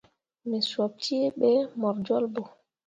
Me sop cee ɓe mor jolɓo.